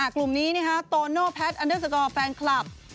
กลุ่มนี้โตโนแพทแฟนคลับ